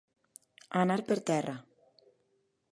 Anar per terra.